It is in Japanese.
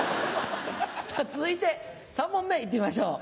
さぁ続いて３問目行ってみましょう。